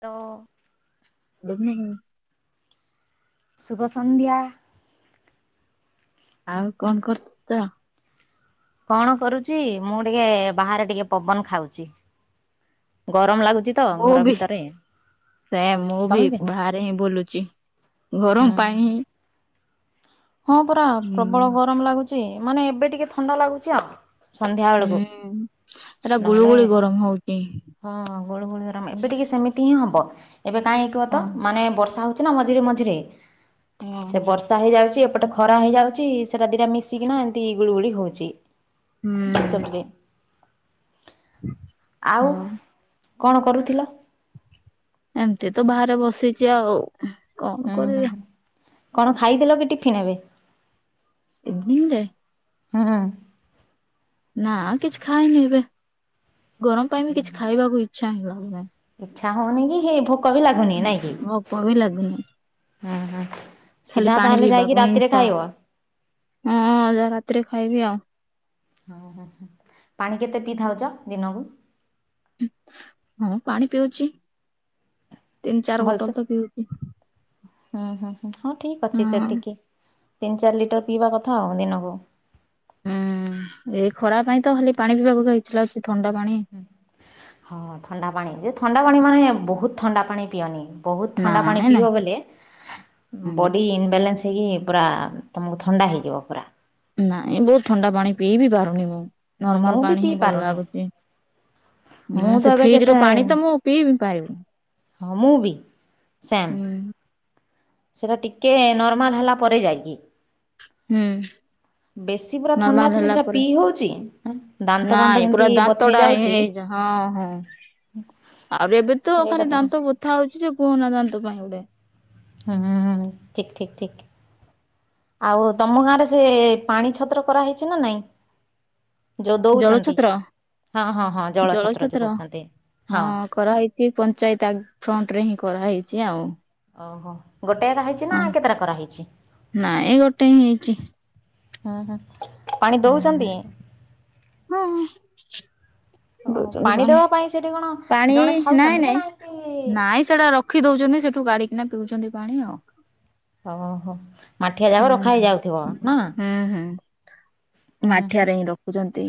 ତ [unintelligible] ଶୁଭ ସନ୍ଧ୍ୟା। ଆଉ କଣ କରୁଚ? କଣ କରୁଚି? ମୁଁ ଟିକେ ବାହାରେ ଟିକେ ପବନ ଖାଉଚି। ଗରମ ଲାଗୁଚି। ମୁଁ ବି ସେ ମୁଁ ବି ଭାର ରେ ହିଁ ବୁଲୁଚି। ହୁଁ ଘରମ ପାଇଁ ହଁ ପରା ହୁଁ ପ୍ରବଳ ଗରମ ଲାଗୁଚି। ମାନେ ଏବେ ଟିକେ ଥଣ୍ଡା ଲାଗୁଚି ଆଉ। ସନ୍ଧ୍ୟା ବେଳକୁ ହୁଁ ଏଟା ଗୁଳୁ ନହେଲେ ଗୁଳି ଗରମ ହଉଚି। ହଁ ଗୁଳୁ ଗୁଳି ଗରମ ଏବେ ଟିକେ ସେମିତି ହିଁ ହବ। ଏବେ କାଇଁ କୁହତ ହଁ। ମାନେ ବର୍ଷା ହଉ ଅଛି ନା ମଝିରେ ମଝିରେ। ସେ ଓହୋ। ବର୍ଷା ହେଇଯାଉଚି। ଏପଟେ ଖରା ହେଇଯାଉଚି। ସେଟା ଦିଟା ମିଶିକିନା ଏମିତି ଗୁଳଗୁଳି ହଉଚି। ହୁଁ। [unintelligible] [inaudible] ଆଉ ହଉ କଣ କରୁଥିଲ? ଏମିତି ତ ବାହାରେ ବସିଚି ଆଉ। କଣ ହୁଁ ହୁଁ କରିବା ହୁଁ କଣ ଖାଇଦେଲ କି ଟିଫିନ୍ ଏବେ? ଏଭିନିଙ୍ଗୀ ରେ। ହୁଁ। ନା କିଛି ଖାଇନି ଏବେ, ଗରମ ପାଇଁ ବି କିଛି ଖାଇବାକୁ ଇଚ୍ଛା ହିଁ ହଉନାହିଁ। ଇଚ୍ଛା ହଉନି କି ହେଇ ଭୋକ ବି ଲାଗୁନି ନାଇଁ କି ଭୋକ ବି ଲାଗୁନି ହୁଁ ହୁଁ। ଖାଲି ସିଧା ପାଣି ତାହେଲେ ପିଇବାକୁ ଯାଇକି ହିଁ ରାତିରେ ଇଚ୍ଛା ଖାଇବ। ହଁ ଅଧ ରାତିରେ ଖାଇବି ଆଉ। ହଁ ହଁ ପାଣି କେତେ ପିଇଥାଉ ଦିନକୁ? ହଁ ପାଣି ପିଉଚି, ତିନି ଚାରି ଭଲସେ ବୋଟଲ ତ ପିଉଚି। ହୁଁ ହୁଁ ହୁଁ ହୁଁ ଠିକ ଅଛି ହଁ। ସେତିକି। ତିନି ଚାରି ଲିଟର ପିଇବା କଥା ଆଉ ଦିନକୁ। ହୁଁ ଏଇ ଖରା ପାଇଁ ତ ଖାଲି ପାଣି ପିଇବାକୁ ଇଚ୍ଛା ଲାଗୁଚି, ଥଣ୍ଡା ପାଣି। ହଁ ଥଣ୍ଡା ପାଣି ଯେ, ଥଣ୍ଡା ପାଣି ମାନେ ବୋହୁତ୍ ଥଣ୍ଡା ପାଣି ପିଅନି। ବହୁତ୍ ଥଣ୍ଡା ପାଣି ନାଇଁ ନାଇଁ ପିଇବ ବୋଲେ। ବଡି ହୁଁ ଇନବାଲାନ୍ସ ହେଇକି। ପୁରା ତୁମକୁ ଥଣ୍ଡା ହେଇଯିବ ପୁରା। ନାଇଁ ବୋହୁତ୍ ଥଣ୍ଡା ପାଣି ପିଇ ବିି ପାରୁନି ମୁଁ। ହଁ ମୁଁ ନର୍ମାଲ୍ ବି ପାଣି ହିଁ ପିଇ ଭଲ୍ ପାରୁନି ଲାଗୁଚି। ମୁଁ ହୁଁ। ତ ସେ ଏବେ ଫ୍ରିଜ୍ ରୁ କେତେ ପାଣି ତ ମୁଁ ପିଇବି ପାରୁନି। ହଁ ମୁଁ ବି। ସେମ୍। ହୁଁ ସେରା ଟିକେ ନର୍ମାଲ୍ ହେଲା। ପରେ ଯାଇକି ହୁଁ। ବେଶୀ ପୁରା ଥଣ୍ଡା ନର୍ମାଲ ଥିଲେ ହେଲା ସେଟା ପରେ ପିଇ ହୋଉଛି। ଦାନ୍ତ ଫାନ୍ତ କେମିତି ବଥେଇ ଯାଉଚି। ଏ ହଁ ହୁଁ। [unintelligible] ଆହୁରି ଏବେ ତ ଖାଲି ଦାନ୍ତ ବଥା ହୋଉଛି ଯେ, କୁହନା ଦାନ୍ତ ପାଇଁ ଗୋଟେ। ହୁଁ ହୁଁ ହୁଁ। ଠିକ୍ ଠିକ୍ ଠିକ୍। ଆଉ ତମ ଗାଁରେ ସେ, ପାଣି ଛତ୍ର କରାହେଇଛି ନା ନାଇଁ? ଯୋଉ ଦୋଉଚନ୍ତି? ଜଳଛତ୍ର ହଁ ହଁ ହଁ ଜଳ ଛତ୍ର ଯୋଉ କହୁଛନ୍ତି। ହଁ। ଏ ପଞ୍ଚାୟତ ଫ୍ରଣ୍ଟରେ କରହେଇଛି ଆଉ ଓହୋଃ। ଗୋଟେ ହେକା ହେଇଛି ନା? ହଁ କେତେଟା କରା ହେଇଛି? ନାଇଁ ଗୋଟେ ହିଁ ହେଇଛି ହୁଁ ହୁଁ। ପାଣି ଦୋଉଛନ୍ତି? ହୁଁ ହୁଁ। ଓହୋ ଦୋଉଚନ୍ତି ପାଣି। ଦେବା ପାଇଁ ସେଠି କଣ ପାଣି ଜଣେ ନାଇଁ ଥାଉଛନ୍ତି କି ନା ନାଇଁ ଏମିତି ନାଇଁ ସେଇଟା ରଖି ଦୋଉଛନ୍ତି। ସେଠୁ କାଢିକିନା ପିଉଛନ୍ତି। ପାଣି ଆଉ। ଆଉ ହଁ ହଁ। ମାଠିଆ ଯାକ ହୁଁ ରଖା ହେଇ ଯାଉଥିବ ନା? ହୁଁ ମାଠିଆ ହୁଁ ରେ ହିଁ ରଖୁଚନ୍ତି।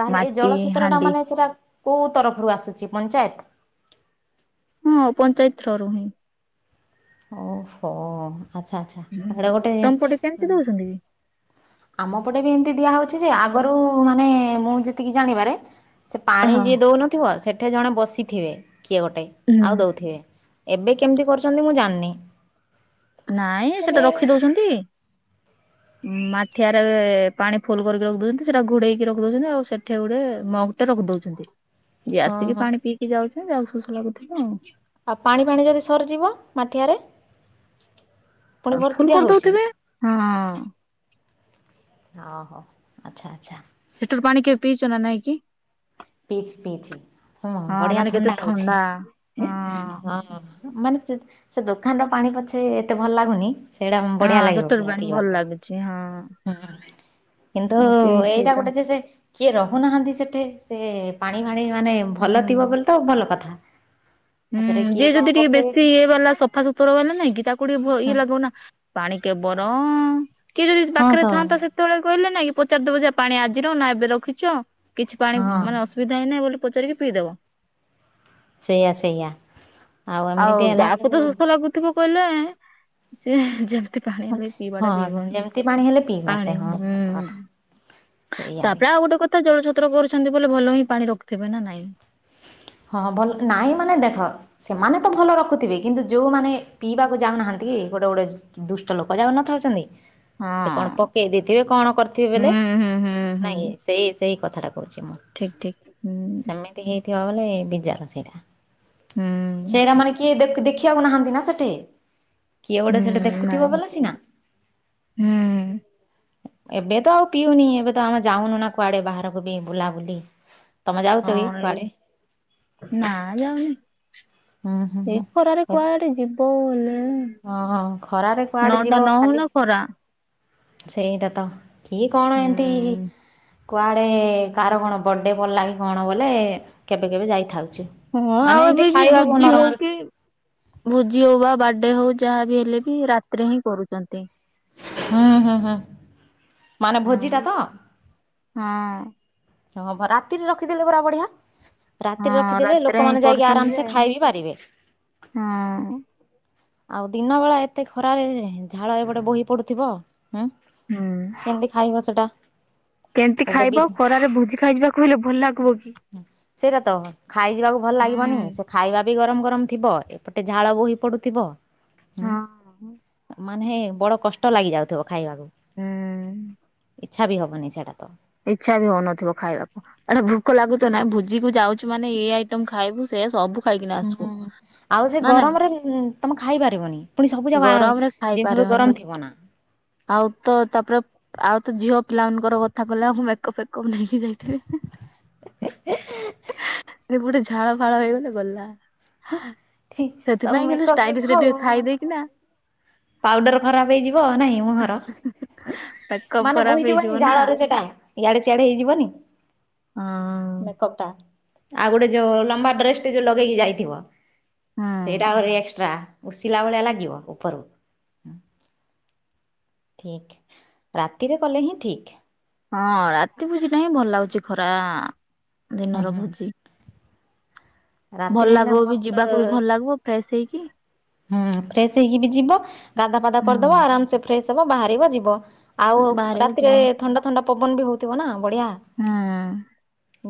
ତାହେଲେ ଏଇ ଜଳ ଛତ୍ରଟା ମାନେ ସେଟା କୋଉ ତରଫରୁ ଆସୁଛି ପଞ୍ଚାୟେତ୍? ହଁ ପଞ୍ଚାୟତ ଥ୍ରୋରୁ ହିଁ। ଓ ହୋଃ। ଆଚ୍ଛା ଆଚ୍ଛା। ତ ସେଇଟା ଗୋଟେ ତମ ପଟେ କେମିତି ଦଉଛନ୍ତି କି? ଆମ ପଟେ ବି ଏମିତି ଦିଆ ହୋଉଛି ଯେ, ଆଗରୁ ମାନେ ମୁଁ ଯେତିକି ଜାଣିବାରେ ସେ ପାଣି ହଁ ଯିଏ ଦୋଉନଥିବ? ସେଠେଏ ଜଣେ ବସିଥିବେ, କିଏ ଗୋଟେ? ହୁଁ। ଆଉ ଦଉଥିବେ। ଏବେ କେମିତି କରୁଛନ୍ତି। ମୁଁ ଜାଣିନି। ନାଇଁ ଏବେ ସେଟା ରଖି ଦଉଛନ୍ତି। [inaudible] ମାଠିଆରେ ପାଣି ଫୁଲ୍ କରିକି ରଖି ଦୋଉଛନ୍ତି। ସେଟା ଘୋଡ଼େଇକି ରଖି ଦୋଉଛନ୍ତି। ଆଉ ସେଠି ଗୋଟେ ମଗ୍ ଟେ ରଖି ଦଉଛନ୍ତି। [unintelligible] ଯିଏ ଆସିକି ହଁ ପାଣି ପିଇକି ଯାଉଛି ଯାହାକୁ ଶୋଷ ଲାଗୁଥିବ ଆଉ। ଆଉ ପାଣି ଫାଣି ଯଦି ସରିଯିବ ମାଠିଆରେ। ପୁଣି ଆଉ ଭର୍ତ୍ତି ଫୁଲ୍ କରି ଦିଆହଉଛି। ଦୋଉଥିବେ ହଁ। ଅ ହଉ ଆଚ୍ଛା ଆଚ୍ଛା। ସେଥିରୁ ପାଣି କେବେ ପିଇଛ ନା ନାଇଁ କି। ପିଇଚି ପିଇଚି ହଁ ବଢ଼ିଆ ଥଣ୍ଡା ହୋଉଛି ହଁ ହଁ। ମାନେ ସେତ୍ ସେ ଦୋକାନର ପାଣି ପଛେ ଏତେ ଭଲ୍ ଲାଗୁନି। ସେଇଟା ହଁ ବଢ଼ିଆ ସଟର ଲାଗିବ ପାଣି ଭଲ ପିଇବାକୁ ଲାଗୁଛି ହଁ ହୁଁ। କିନ୍ତୁ ମୁଁ ପିଇଛି ଏଇଟା ତ ଗୋଟେ ଯେ ସେ କିଏ ରହୁ ନାହାନ୍ତି ସେଠେ ସେ ପାଣି, ଫାଣି ମାନେ ଭଲ ଥିବ ହୁଁ। ବୋଲି ତ ଭଲ କଥା। ହୁଁ ଆଉ ଥରେ ଯିଏ କିଏ କଣ ଯଦି ଟିକେ ପକେଇ ବେଶୀ ଇଏ ବାଲା ସଫା ସୁତୁର୍ ବାଲା ନାଇଁ କି ତାକୁ ଟିକେ ଭୟ ଇଏ ହଁ ଲାଗିବ ନା ପାଣି କେବର କିଏ ଯଦି ହଁ ତ ପାଖରେ ଥାଆନ୍ତାସେ ଯେ ତେବେଳେ କହିଲେ ନାଇଁ କି ପଚାରିଦବ ଯେ ପାଣି ଆଜିର ନା ଏବେ ରଖିଛ କିଛି ପାଣି ହଁ ମାନେ ଅସୁ ଧୁଇ ଧାଇନେ ବୋଲି ପଚାରିକି ପିଇ ଦବ। ସେଇଆ ସେଇଆ। ଆଉ ଏମିତି ହେଲା ଯାହାକୁ ବେଳକୁ ତ ଶୋଷ ଲାଗୁଥିବ କହିଲେ ସିଏ ଯାହା। ଏତେ ପାଣି ହେଲେ ପିଇବା ହଁ ଟା ପିଇବନି ଯେମିତି ପାଣି ହେଲେ ପିଇବ ସେ ପାଣି ହଁ ହୁଁ। ସତ କଥା ସେଇଆ ବି। ତାପରେ ଆଉ ଗୋଟେ କଥା ଜଳଛତ୍ର କରୁଛନ୍ତି ବୋଲେ ଭଲ ହିଁ ପାଣି ରଖିଥିବେ ନା ନାଇଁ। ହଁ ଭଲ ନାଇଁ ମାନେ ଦେଖ। ସେମାନେ ତ ଭଲ ରଖୁଥିବେ କିନ୍ତୁ ଯୋଉମାନେ ପିଇବାକୁ ଯାଉନାହାନ୍ତି ଗୋଟେ ଗୋଟେ। ଦୁଷ୍ଟ ଲୋକ ଯାଉ ନଥାଉଛନ୍ତି। ସେ କଣ ପକେଇ ଦେଇଥିବେ କଣ କରିଥିବେ ବୋଲେ ନାଇଁ ସେଇ ସେଇ କଥାଟା କହୁଛି ମୁଁ। ଠିକ ଠିକ ହୁଁ। ହେଇଥିବା ବେଲେ ବିଜା ର ଷେଇଟା। ହୁଁ। ସେଇରା ମାନେ କିଏ ଦେଖିବାକୁ ନାହାନ୍ତି ନା ସେଠି। କିଏ ଗୋଟେ ସେଟି ଦେଖୁଥିବ ବୋଲେ ସିନା। ଉଁ। ଏବେ ତ ଆଉ ପିଉନି ଏବେ ତ ଆମେ ଯାଉନୁ ନା କୁଆଡେ ବାହାରକୁ ବି ବୁଲାବୁଲି। ତମେ ଯାଉଛ କି ହଁ କୁଆଡେ ଏ ନା ଯାଉନି। ହୁଁ ହୁଁ ଏଇ ହୁଁ ଖରାରେ କୁଆଡେ ଯିବ ବୋଲେ ହଁ ଖରାରେ କୁଆଡେ ନଅଟା ଯିବ ଖାଲି ନହୁଉନ। ଖରା। ସେଇଟା ତ କି କଣ ଏମିତି। ହୁଁ କୁଆଡ଼େ କାହାର କଣ ବର୍ଥଡ଼େ ପଡ଼ିଲାଗି କଣ ଗଲେ କେବେ କେବେ ଯାଇଥାଉଛି। ହଁ ଆଉ ଏବେ ବି ଭୁଜି ହଉ କି। ଭୁଜି ହଉ ବା ବାର୍ଡେ ହଉ ଯାହାବି ହେଲେ ବି ରାତିରେ ହିଁ କରୁଛନ୍ତି। ହୁଁ ହୁଁ ହୁଁ ମାନେ ଭୋଜି ହଁ ଟା ତ। ହଁ। ହ ହବ ରାତିରେ ରଖିଦେଲେ ପୁରା ବଢିଆ। ରାତିରେ ହଁ ରଖିଦେଲେ ରାତିରେ ହିଁ ଲୋକମାନେ ଯାଇକି କରୁଛନ୍ତି ଆରାମ ଯେ ସେ ଖାଇ ବିି ପାରିବେ। ହଁ ଆଉ ଦିନ ବେଳା ଏତେ ଖରାରେ ଝାଳ ଏପଟେ ବୋହି ପଡୁଥିବ ହୁଁ। ହୁଁ। କେମିତି ଖାଇବ ସେଟା। କେମିତି ଗୋଟେ ବି ଖାଇବ ଖରାରେ ଭୁଜି ଖାଇଯିବାକୁ ହେଲେ ଭଲ ଲାଗୁବ କି। ହଁ ସେଇଟା ତ ଖାଇଯିବାକୁ ଭଲ ଲାଗିବନି ହୁଁ ସେ ଖାଇବା ବି ଗରମ ଗରମ ଥିବ ଏପଟେ ଝାଳ ବୋହି ପଡ଼ୁଥିବ। ହଁ ମାନେ ବଡ଼ କଷ୍ଟ ଲାଗିଯାଉଥିବ ଖାଇବାକୁ ହୁଁ ଇଚ୍ଛା ବି ହେବନି ସେଇଟା ତ। ଇଚ୍ଛା ବି ହଉନଥିବ ଖାଇବାକୁ। ଏଟା ଭୋକ ଲାଗୁଛ ନା ଭୋଜି କୁ ଯାଉଛୁ ମାନେ ଏଇ ଆଇଟମ ଖାଇବୁ ସେ ସବୁ ଖାଇକିନା ଆସିବୁ। ହୁଁ। ଆଉ ସେ ନା ନାଇଁ ଗରମରେ ତମେ ଖାଇ ପାରିବନି ପୁଣି ସବୁ ଜାଗା ଗରମରେ ଜିନିଷ ବି ଖାଇପାରିବ ନାହିଁ ଗରମ ଥିବ ନା। ଆଉ ତ ତାପରେ ଆଉ ତ ଝିଅ ପିଲାମାନଙ୍କର କ କଥା କହଲା ମେକପ୍ ଫେକପ୍ ନେଇକି ଯାଇଥିବେ। [unintelligible] ଗୋଟେ ଝାଳ ଫାଳ ହେଇଗଲେ ଗଲା। ଠିକ ସବୁ ସେଥିପାଇଁ କଲି ମେକଅପ୍ ଯିବ ଷ୍ଟାଇଲିଶ ରେ ଆଉ। ଟିକେ ଖାଇଦେଇକିନା ପାଉଡର ଖରାପ ହେଇଯିବ ନାଇଁ ମୁହର ମେକଅପ୍ ମାନେ ଖରାପ ହେଇଯିବ ବୋହିଯିବନି ନା। ଝାଳରେ ସେଟା। ୟାଡେିଆଡେ ହେଇଯିବନି। ହଁ। ମେକଅପ୍ ଟା ଆଉ ଗୋଟେ ଯୋଉ ଲମ୍ବା ଡ୍ରେସଟେ ଯୋଉ ଲଗେଇକି ଯାଇଥିବ। ସେଇଟା ହୁଁ ଆହୁରି ଏକ୍ସଟ୍ରା ଉସିଲା ଭଳିଆ ଲାଗିବ ଉପରକୁ। ଠିକ୍ ରାତିରେ କଲେ ହିଁ ଠିକ୍। ହଁ ରାତି ଭୋଜି ଟା ହିଁ ଭଲ ଲାଗୁଛି ଖରା ହୁଁ ଦିନର ହୁଁ ଭୋଜି। ରାତିରେ ଭଲ ହେଲେ ଲାଗିବ ବି ଯିବାକୁ ବି ମସ୍ତ ଭଲ ଲାଗିବ ଫ୍ରେଶ ହେଇକି। ହୁଁ ଫ୍ରେଶ ହେଇକି ବି ଯିବ ଗାଧା ଫାଧା ହୁଁ କରିଦବ ଆରାମ ସେ ଫ୍ରେଶସ ହବ ବାହାରିବ ଯିବ। ଆଉ ବାହାରିବ ରାତିରେ ଯିବ। ଥଣ୍ଡା ଥଣ୍ଡା ପବନ ବି ହଉଥିବ ନା ବଢିଆ। ହୁଁ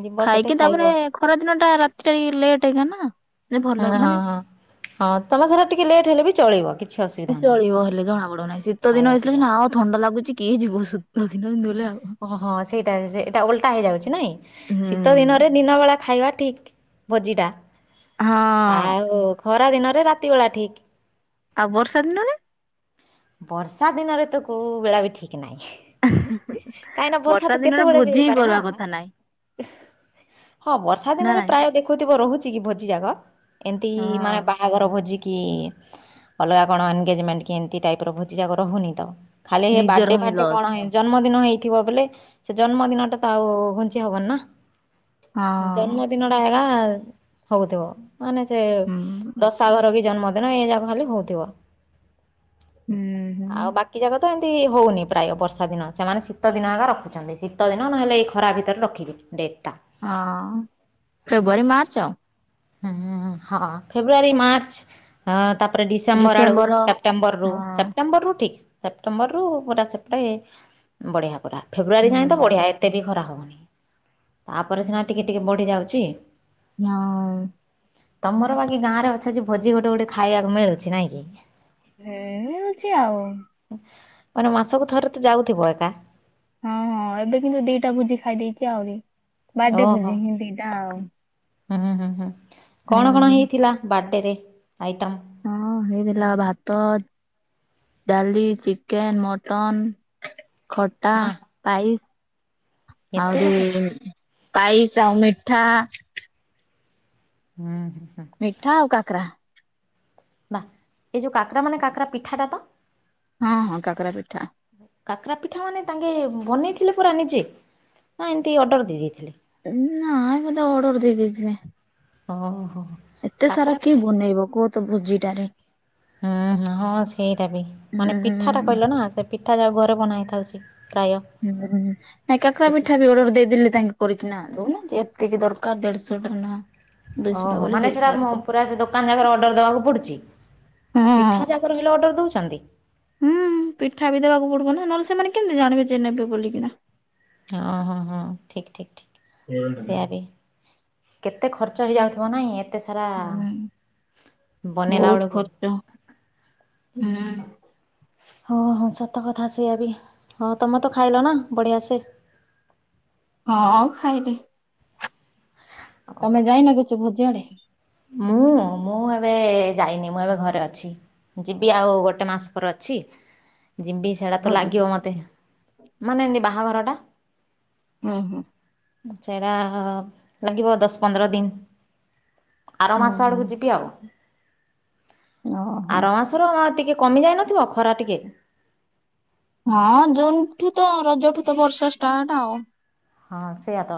ଯିବ ସେଠି ଖାଇକି ଖାଇବ ତାପରେ ଖରା ଦିନ ଟା ରାତି ଟା ଟ ଲେଟ୍ ହେଇଗା ନା। ଯେ ହଁ ଭଲ ହଁ ମାନେ ହଁ ହଁ ତମେ ସାରା ଟିକେ ଲେଟ୍ ହେଲେ ବି ଚଳିବ। କିଛି ଅସୁବିଧା ନାହିଁ ଚଳିବ ହେଲେ ଜଣା ପଡୁନାହିଁ ଶୀତ ଦିନ ଖାଇବା ହେଇଥିଲା ନା ପିଇବାରେ। ଆଉ ଥଣ୍ଡା ଲାଗୁଛି କିଏ ଯିବ। ଦିନ ଏମିତି ହେଲେ ଆଉ। ହ ହଁ ସେଇଟା ଏଇଟା ଓଲଟା ହେଇଯାଉଛି ନାଇଁ ଶୀତ ହୁଁ ଦିନରେ ଦିନ ବଳା ଖାଇବା ଠିକ ଭୋଜି ଟା ହଁ ଆଉ ଖରାଦିନରେ ରାତିବେଳା ଠିକ୍। ଆଉ ବର୍ଷା ଦିନରେ? ବର୍ଷା ଦିନରେ ତ କେଉଁବେଳା ବି ଠିକ୍ ନାହିଁ। କାହିଁ ନାି ବର୍ଷା ତ ଦିନରେ କେତେବେଳେ ବି ଭୋଜି ହିଁ ହେଇପାରେ ନା। କରିବା କଥା ନାଇଁ ହଁ ବର୍ଷା ନା ଦିନରେ ନାଇଁ ପ୍ରାୟ ଦେଖ କହୁଥିବ ରହୁଛି କି ଭୋଜି ଯାକ ଏମତି ମାନେ ହଁ ବାହାଘର ଭୋଜି କି ଅଲଗା କଣ ଏନଗେଜମେଣ୍ଟ କି ଏମତି ଟାଇପ ର ଭୂତି ଯାକ ରହୁନି ତ ଖାଲି ନିଜର ବାର୍ଡେ ହିଁ ଫାର୍ଡେ ଲସ୍ କଣ ଜନ୍ମଦିନ ହେଇଥିବ ବୋଲେ ସେ ଜନ୍ମଦିନଟା ତ ଆଉ ଘୁଞ୍ଚି ହବନି ନା। ହଁ ଜନ୍ମଦିନ ଟା ଏଗା ହଉୁଥିବ। ମାନେ ସେ ହୁଁ। ଦଶା ଘର କି ଜନ୍ମଦିନ ଏ ଯାକ ଖାଲି ହେଉଥିବ। ହୁଁ ହୁଁ ଆଉ ବାକି ଜାକ ଏମିତି ହେଉନି ପ୍ରାୟ ବର୍ଷା ଦିନ ସେମାନେ ଶୀତ ଦିନ ଆଗା ରଖୁଛନ୍ତି ଶୀତଦିନ ନହେଲେ ଏଇ ଖରା ଭିତରେ ରଖିବି। ଡେଟା ହଁ ଫେବୃଆରୀ ମାର୍ଚ୍ଚ ଆଉ। ହୁଁ ହଁ ଫେବୃଆାରୀ ମାର୍ଚ୍ଚ। ହଁ ତାପରେ ଡିସେମ୍ବର ଆଡକୁ ସେପ୍ଟେମ୍ବର ରୁ ହଁ ସେପ୍ଟେମ୍ବର ରୁ ଠିକ୍। ସେପ୍ଟେମ୍ବରରୁୁ ପୁରା ସେପଟେ ବଢ଼ିଆ ପୁରା। ଫେବୃୟରୀ ହୁଁ ଜାଣି ତ ବଢ଼ିଆ ଏତେ ବି ଖରା ହେବନି ତାପରେ ସିନା ଟିକିଏ ଟିକେ ବଢ଼ିଯାଉଛି। ନାଁ [unintelligible] ତମର ବାକି ଗାଁରେ ଅଛଯେ ଭୋଜି ଗୋଟେ ଗୋଟେ ଖାଇବାକୁ ମିଳୁଛି ନାଇଁ କି? ହେଏ ମିଳୁଛି ଆଉ। ମାନେ ମାସକୁ ଥରେ ତ ଯାଉଥିବ ଏକା। ହଁ ହଁ ଏବେ କିନ୍ତୁ ଦିଇଟା ଭୋଜି ଖାଇଦେଇଛି ଆହୁରି ବାର୍ଥଡେଇ ଓହୋ ଭୋଜି ଦିଇଟା ଆଉ ହୁଁ ହୁଁ ହୁଁ ହୁଁ କଣ କଣ ହେଇଥିଲା ବାଟରେ ଆଇଟମ। ହଁ ହେଇଥିଲା ଭାତ ଡାଲି, ଚିକେନ, ମଟନ୍। ଖଟା, ମା ପାଇସ୍, ଏତେ ଆହୁରି ଯାକ ପାଇାଇସ୍, ଆଉ ମିଠା ହୁଁ ହୁଁ। ମିଠା, ଆଉ କାକରା। ନାଁ ଏ ଯେଉଁ କାକରା, ମାନେ କାକରା ପିଠାଟା ତ। ହଁ ହଁ, କାକରା ପିଠା କାକରା ପିଠା, ମାନେ ତାଙ୍କେ ବନେଇଥିଲେ ପୁରା ନିଜେ ନାଁ, ଏମିତି ଅର୍ଡ଼ର ଦେଇ ଦେଇଥିଲି। ନାଁ ବୋଧେ ଅର୍ଡର ଦେଇଥିଲି ଓହୋ। ଏତେ ସାରା କାକରା କିଏ ପିଠା ହୁଁ ବନେଇବ କୁହ ତ ଭୋଜିଟାରେ ହଁ ହଁ ସେଇଟା ବିି ମାନେ ହୁଁ ହୁଁ ପିଠାଟା କହିଲନା ସେ ପିଠା ଯାକ ଘରେ ବନା ହେଥାଉଛି ପ୍ରାୟ [unintelligible] କାକା ପିଠା ସେଥିପାଇଁ। ଅର୍ଡର ଦେଇଦେଲେ ତାଙ୍କ୍ କରିକିନା ଦେଉନାହାନ୍ତି ଏତିକି ଦରକାର ଦେଢଶହ ନାଁ ଓହୋ ମାନେ ସେଟା ପୁରା ସେ ଦୋକାନ ଜାକ ଅର୍ଡର ଦେବାକୁ ପଡୁଛି ହଁ ପିଠା ଯା ରହିଲେ ଅର୍ଡର ଦଉଛନ୍ତି। ହୁଁ ପିଠା ବି ଦେବାକୁ ପଡିବ ନା, ନହେଲେ ସେମାନେ କେମିତି ଜାଣିବେ ଯେ ନେବେ ବୋଲିକିନା ହଁ ହଁ ହଁ ଠିକ୍ ଠିକ୍ ଠିକ୍ ସେଇଆ ହୁଁ ବି କେତେ ଖର୍ଚ୍ଚ ହେଇଯାଉଥିବ ନହିଁ ଏତେ ସାରା ବନେଇଲା ବହୁତ ବେଳକୁ। ଖର୍ଚ୍ଚ ହୁଁ। ହଁ ହଁ ସତ କଥା ସେଇଆ ବି। ହଁ ତୁମେ ତ ଖାଇଲ ନା, ବଢ଼ିଆ ସେ। ହଁ ଖାଇଲି। ତମେ ଯାଇନ କିଛ ଭୋଜିଆଡେ? ମୁଁ ମୁଁ ଏବେ ଯାଇନି ମୁଁ ଏବେ ଘରେ ଅଛି। ଯିବି ଆଉ ଗୋଟେ ମାସ ପରେ ଅଛି ଯିବି। ସେଇଟା ତ ଭୋଜି ଲାଗିବ ମୋତେ। ମାନେ ଏମ୍ତି ବାହାଘର ଟା। ଓହୋ। ସେଡ଼ା [unintelligible] ଲାଗିବ, ଦଶ ପନ୍ଦର ଦିନ। ହୁଁ ଆରମାସ ହୁଁ ଆଡ଼କୁ ଯିବି ଆଉ, ଓହୋ। ଆରମାସ। ଥର ଟିକେ କମି ଯାଇନଥିବ ଖରା ଟିକେ? ହଁ ଜୁନ୍ ଠୁ ତ, ରଜଠୁ ତ ବର୍ଷା ଷ୍ଟାର୍ଟ ଆଉ। ହଁ ସେଇଆ ତ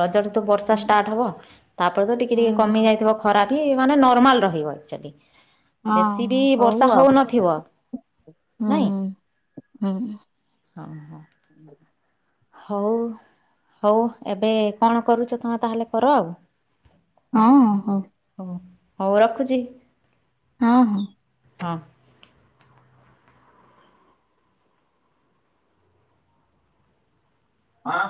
ରଜଠୁ ତୁ ବର୍ଷା ହୁଁ ଷ୍ଟାର୍ଟ ହବ ତାପରେ ତ ଟିକେ ଟିକେ ହୁଁ କମି ଯାଇଥିବ। ଖରାପି ମାନେ ନର୍ମାଲ୍ ରହିବ ଯଦି? ହଁ ବେଶୀ ବି ବର୍ଷା ହଉ ଆଉ। ହେଉନଥିବ ହୁଁ ନାଇଁ? ହୁଁ ହଁ ହଁ। ହଉ ହଉ ଏବେ କଣ କରୁଛ ତୁମେ ତାହେଲେ କର ଆଉ। ହଁ ହଉ। ହୋଉ ହୋଉ ରଖୁଛି। ହଁ ହଁ। ହଁ। ହଁ।